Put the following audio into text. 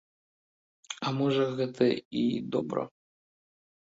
А можа гэта і добра.